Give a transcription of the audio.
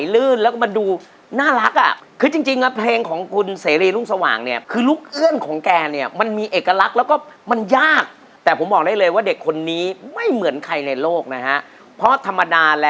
ลูกชิ้นอร่อยมากครับผม